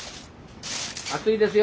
熱いですよ。